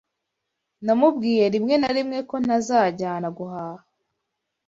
Namubwiye rimwe na rimwe ko ntazajyana guhaha. (Zifre)